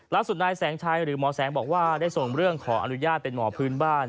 นายแสงชัยหรือหมอแสงบอกว่าได้ส่งเรื่องขออนุญาตเป็นหมอพื้นบ้าน